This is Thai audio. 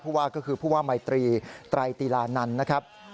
ว่าก็คือผู้ว่ามัยตรีไตรตีลานันต์นะครับ